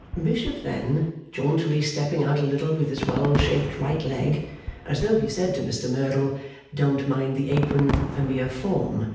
Bishop then jauntily stepping out a little with his well shaped right leg, as though he said to Mr Merdle 'don't mind the apron; a mere form!